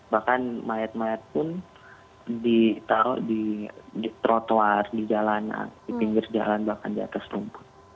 bahkan mayat mayat pun ditaruh di trotoar di jalanan di pinggir jalan bahkan di atas rumput